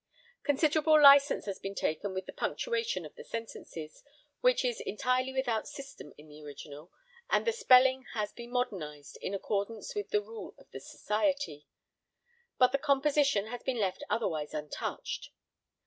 Considerable licence has been taken with the punctuation of the sentences, which is entirely without system in the original, and the spelling has been modernised in accordance with the rule of the Society, but the composition has been left otherwise untouched.